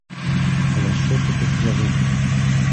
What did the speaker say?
Але що то був за вихід?